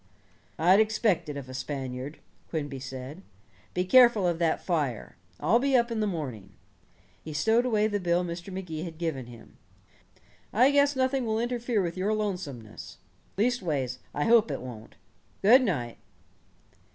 "I'd expect it of a Spaniard," Quimby said. "Be careful of that fire. I'll be up in the morning." He stowed away the bill Mr. Magee had given him. "I guess nothing will interfere with your lonesomeness. Leastways, I hope it won't. Good night."